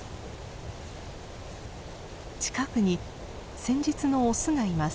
近くに先日のオスがいます。